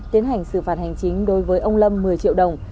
tiến hành xử phạt hành chính đối với ông lâm một mươi triệu đồng